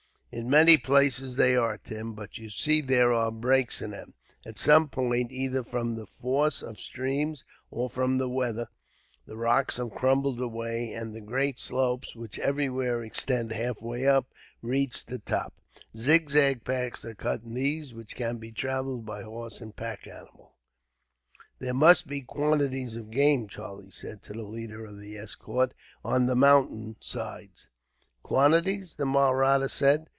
"In many places they are, Tim, but you see there are breaks in them. At some points, either from the force of streams, or from the weather, the rocks have crumbled away; and the great slopes, which everywhere extend halfway up, reach the top. Zigzag paths are cut in these, which can be travelled by horses and pack animals. "There must be quantities of game," Charlie said to the leader of the escort, "on the mountain sides." "Quantities?" the Mahratta said.